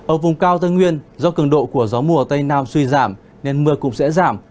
ở vùng cao tây nguyên do cường độ của gió mùa tây nam suy giảm nên mưa cũng sẽ giảm